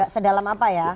sedalam apa ya